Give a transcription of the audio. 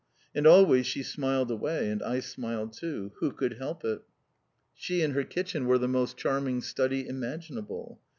And always she smiled away; and I smiled too. Who could help it? She and her kitchen were the most charming study imaginable.